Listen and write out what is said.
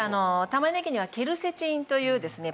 玉ねぎにはケルセチンというですね